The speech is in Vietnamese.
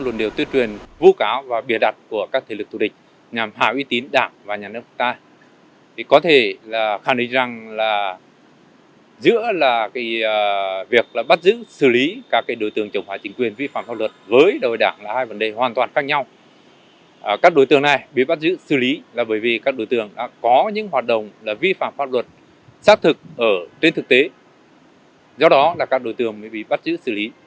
là bởi vì các đội tường đã có những hoạt động vi phạm pháp luật xác thực ở trên thực tế do đó là các đội tường mới bị bắt giữ xử lý